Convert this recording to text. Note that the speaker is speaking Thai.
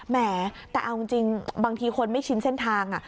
แหมแต่เอาจริงบางทีคนไม่ชินเส้นทาง